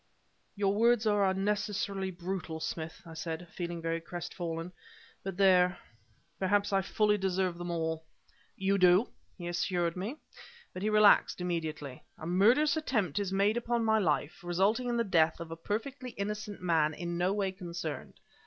"Your words are unnecessarily brutal, Smith," I said, feeling very crestfallen, "but there perhaps I fully deserve them all." "You do!" he assured me, but he relaxed immediately. "A murderous attempt is made upon my life, resulting in the death of a perfectly innocent man in no way concerned.